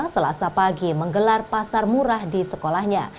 selasa pagi menggelar pasar murah di sekolahnya